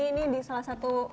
ini salah satu